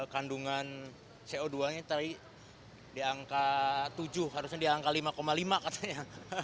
kandungan co dua nya tadi di angka tujuh harusnya di angka lima lima katanya